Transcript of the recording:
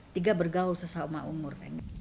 tiga bergaul sesama umur